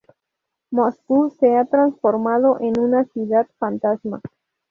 Moscú se ha transformado en una ciudad fantasma.